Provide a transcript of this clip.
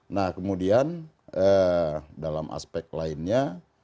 nah kemudian dalam aspek lainnya